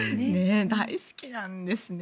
大好きなんですね。